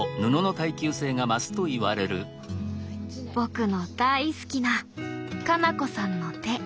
僕の大好きな花菜子さんの手。